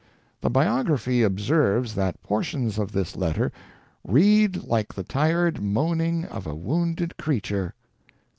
The biography observes that portions of this letter "read like the tired moaning of a wounded creature."